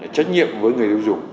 trách nhiệm với người tiêu dùng